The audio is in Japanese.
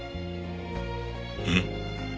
うん？